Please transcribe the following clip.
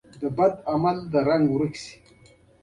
کوچني حکومتونه یې لرل